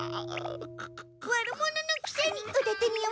悪者のくせにおだてに弱いのね。